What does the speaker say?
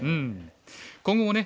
今後もね